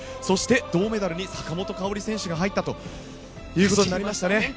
そして銅メダルに坂本花織選手が入ったということになりましたね。